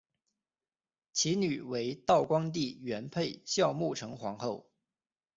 其女为道光帝元配孝穆成皇后。